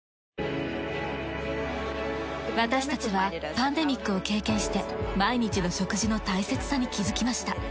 私たちはパンデミックを経験して毎日の食事の大切さに気づきました。